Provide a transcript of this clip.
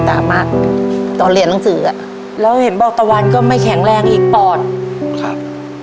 ทับผลไม้เยอะเห็นยายบ่นบอกว่าเป็นยังไงครับ